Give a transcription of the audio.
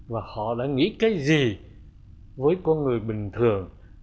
và họ đã nghĩ cái gì với con người bình thường